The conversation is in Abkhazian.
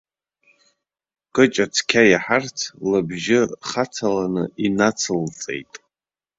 Кыҷа цқьа иаҳарц, лыбжьы хацаланы инацылҵеит.